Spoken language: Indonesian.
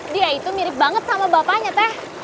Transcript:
dia itu mirip banget sama bapaknya teh